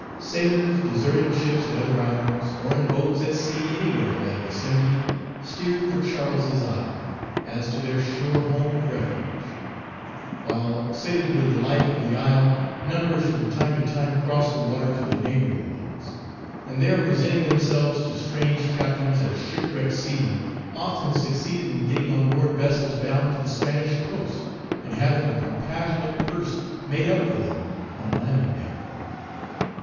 Sailors, deserting ships at other islands, or in boats at sea anywhere in that vicinity, steered for Charles's Isle, as to their sure home of refuge; while, sated with the life of the isle, numbers from time to time crossed the water to the neighboring ones, and there presenting themselves to strange captains as shipwrecked seamen, often succeeded in getting on board vessels bound to the Spanish coast, and having a compassionate purse made up for them on landing there.